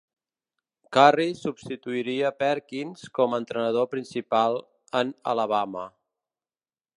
Curry substituiria a Perkins com a entrenador principal en Alabama.